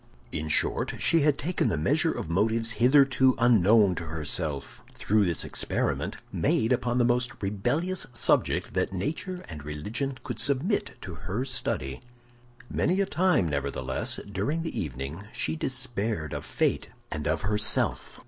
In short, she had taken the measure of motives hitherto unknown to herself, through this experiment, made upon the most rebellious subject that nature and religion could submit to her study. Many a time, nevertheless, during the evening she despaired of fate and of herself.